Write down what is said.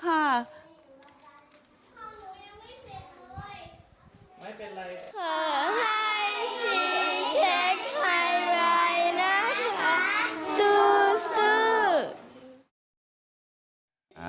ขอให้ซีเค้กใหม่ไหลนะฮะ